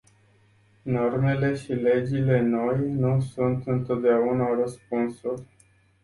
Normele și legile noi nu sunt întotdeauna răspunsul.